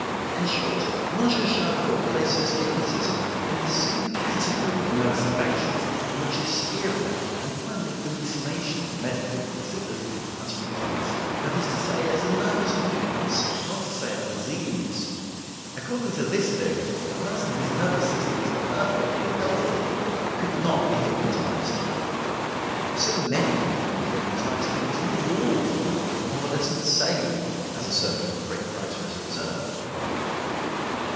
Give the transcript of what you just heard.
In short, M. Charcot places hypnotism in the same category of nervous affections in which hysteria and finally hallucination (medically considered) are to be classed, that is to say, as a nervous weakness, not to say a disease. According to this theory, a person whose nervous system is perfectly healthy could not be hypnotized. So many people can be hypnotized because nearly all the world is more or less insane, as a certain great writer has observed.